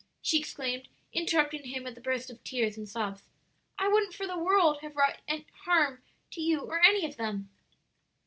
she exclaimed, interrupting him with a burst of tears and sobs. "I wouldn't for the world have wrought harm to you or any of them."